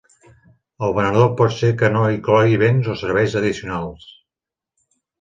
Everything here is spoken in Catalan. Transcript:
El venedor pot ser que no inclogui béns o serveis addicionals.